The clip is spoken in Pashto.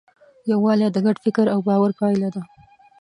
یووالی د ګډ فکر او باور پایله ده.